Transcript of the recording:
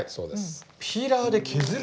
ピーラーで削る？